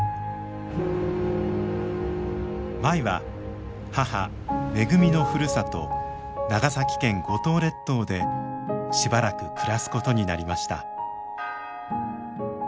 舞は母めぐみのふるさと長崎県五島列島でしばらく暮らすことになりました。